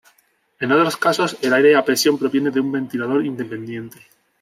En otros casos, el aire a presión proviene de un ventilador independiente.